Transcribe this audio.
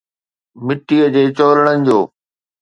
مٽيءَ جي چولڙن جو